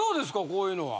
こういうのは。